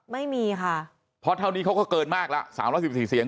ไม่มีค่ะเพราะเท่านี้เขาก็เกินมากละ๓๑๔เสียง